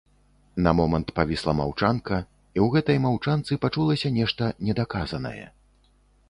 На момант павісла маўчанка, і ў гэтай маўчанцы пачулася нешта недаказанае.